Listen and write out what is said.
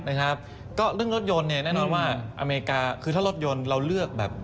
นะครับก็เรื่องรถยนต์เนี่ยแน่นอนว่าอเมริกาคือถ้ารถยนต์เราเลือกแบบ